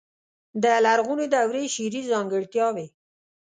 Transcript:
د لرغونې دورې شعري ځانګړتياوې.